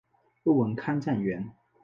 问问看站员